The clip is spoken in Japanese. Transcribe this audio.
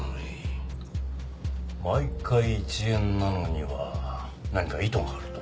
毎回１円なのには何か意図があると？